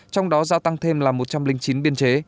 trong đó giao tăng thêm là một trăm linh chín biên chế